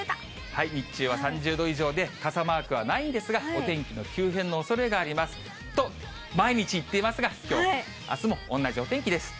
日中は３０度以上で、傘マークはないんですが、お天気の急変のおそれがありますと、毎日言っていますが、きょう、あすも同じお天気です。